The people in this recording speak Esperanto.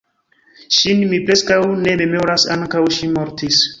Ŝin mi preskaŭ ne memoras; ankaŭ ŝi mortis.